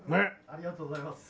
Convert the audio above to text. ありがとうございます。